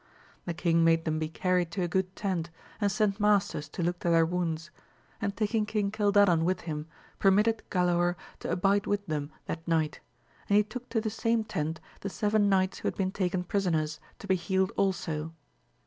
The king made them be carried to a good tent, and sent masters to look to their wounds ; and taking Kang Cildadan with him, permitted Galaor to abide with them that night, and he took to the same tent the seven knights who had been taken prisoners, to be healed also.